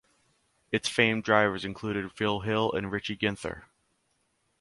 Its famed drivers included Phil Hill and Richie Ginther.